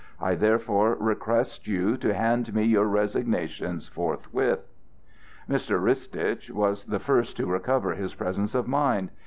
I therefore request you to hand me your resignations forthwith." Mr. Ristitch was the first to recover his presence of mind.